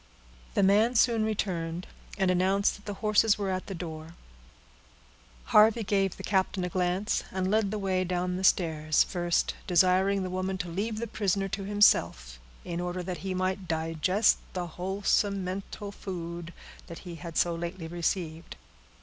The man soon returned, and announced that the horses were at the door. Harvey gave the captain a glance, and led the way down the stairs, first desiring the woman to leave the prisoner to himself, in order that he might digest the wholesome mental food that he had so lately received.